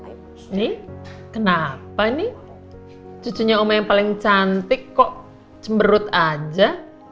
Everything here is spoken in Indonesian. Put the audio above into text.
ini kenapa nih cucunya oma yang paling cantik kok cemberut aja